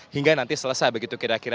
hingga nanti selesai begitu kira kira